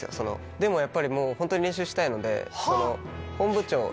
でもやっぱりホントに練習したいので。